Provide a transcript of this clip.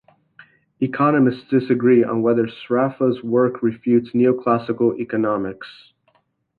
Economists disagree on whether Sraffa's work refutes neoclassical economics.